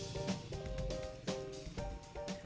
berada di jepang